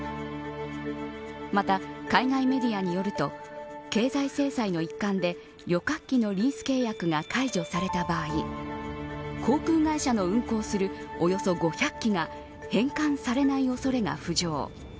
また、海外メディアによると経済制裁の一環で旅客機のリース契約が解除された場合航空会社の運航するおよそ５００機が返還されない恐れが浮上。